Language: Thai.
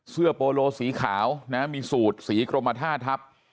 เสื้อโปโลสีขาวนะฮะมีสูดสีกรมธาตุทัพ